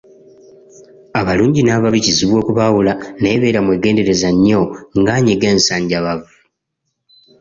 Abalungi n'ababi kizibu okubaawula naye beera mwegendereza nnyo ng'anyiga ensanjabavu.